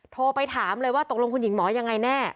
โทรไปถามเลยว่าตกลงคุณหญิงหมอยังไงแน่